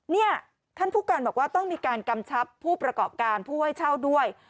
เนี่ยท่านผู้การบอกว่าต้องมีการกำชับผู้ประกอบการผู้ให้เช่าด้วย